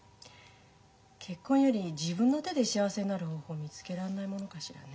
結婚より自分の手で幸せになる方法見つけられないものかしらね。